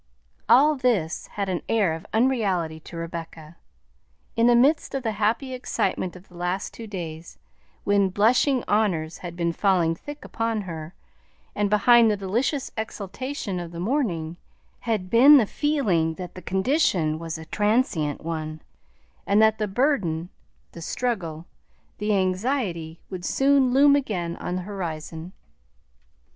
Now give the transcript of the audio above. All this had an air of unreality to Rebecca. In the midst of the happy excitement of the last two days, when "blushing honors" had been falling thick upon her, and behind the delicious exaltation of the morning, had been the feeling that the condition was a transient one, and that the burden, the struggle, the anxiety, would soon loom again on the horizon.